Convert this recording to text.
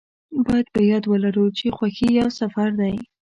باید په یاد ولرو چې خوښي یو سفر دی.